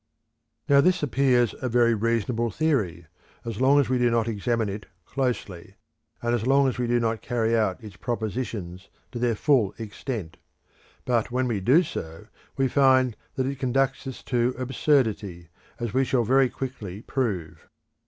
Now this appears a very reasonable theory as long as we do not examine it closely, and as long as we do not carry out its propositions to their full extent. But when we do so, we find that it conducts us to absurdity, as we shall very quickly prove.